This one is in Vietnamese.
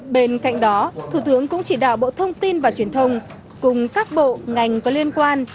bên cạnh đó thủ tướng cũng chỉ đạo bộ thông tin và truyền thông cùng các bộ ngành có liên quan